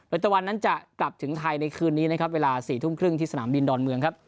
โดยตะวันนั้นจะกลับถึงไทยในคืนนี้นะครับเวลา๔ทุ่มครึ่งที่สนามบินดอนเมืองครับ